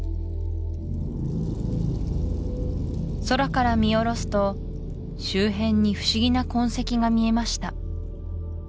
空から見下ろすと周辺に不思議な痕跡が見えました